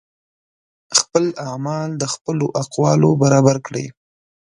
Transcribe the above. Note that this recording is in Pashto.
خپل اعمال د خپلو اقوالو برابر کړئ